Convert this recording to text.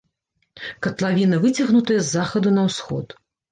Катлавіна выцягнутая з захаду на ўсход.